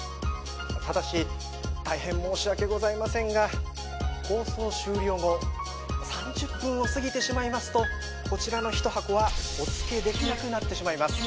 ただし大変申し訳ございませんが放送終了後３０分を過ぎてしまいますとこちらの１箱はお付けできなくなってしまいます。